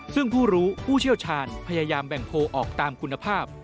ซึ่งผู้รู้ผู้เชี่ยวชาญพยายามแบ่งโพลออกตามคุณภาพ